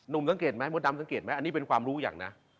สังเกตไหมมดดำสังเกตไหมอันนี้เป็นความรู้อย่างนะ